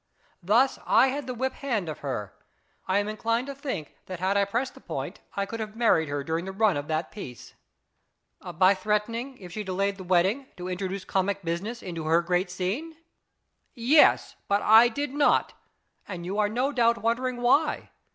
Thus I had the whip hand of her. I am inclined to think that had I pressed the point I could have married her during the run of that piece." "By threatening, if she delayed the wedding, 264 IS IT A MAN? to introduce comic business into her great ??>" Yes ; but I did not, and you are no doubt wondering why.